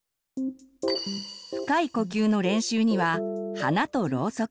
深い呼吸の練習には「花とろうそく」。